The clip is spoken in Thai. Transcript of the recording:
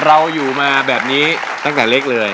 เราอยู่มาแบบนี้ตั้งแต่เล็กเลย